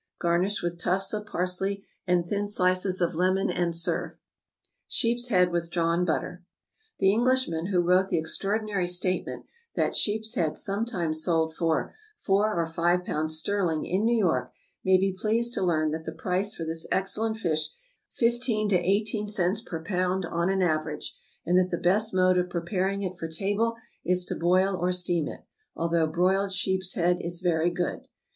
Garnish with tufts of parsley and thin slices of lemon, and serve. =Sheeps head with Drawn Butter.= The Englishman who wrote the extraordinary statement that sheeps head sometimes sold for "four or five pounds sterling in New York" may be pleased to learn that the price for this excellent fish is fifteen to eighteen cents per pound on an average, and that the best mode of preparing it for table is to boil or steam it, although broiled sheeps head is very good.